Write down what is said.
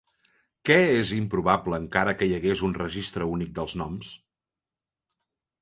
Què és improbable encara que hi hagués un registre únic dels noms?